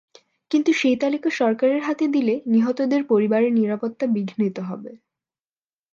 কিন্তু সেই তালিকা সরকারের হাতে দিলে নিহতদের পরিবারের নিরাপত্তা বিঘ্নিত হবে।